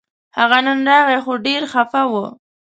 هغه نن راغی خو ډېر خپه و